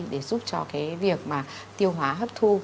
để giúp cho cái việc mà tiêu hóa hấp thu